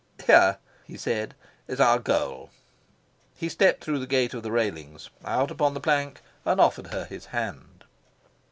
"Here," he said, "is our goal." He stepped through the gate of the railings, out upon the plank, and offered her his hand.